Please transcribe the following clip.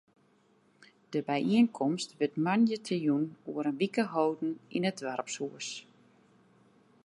De byienkomst wurdt moandeitejûn oer in wike holden yn it doarpshûs.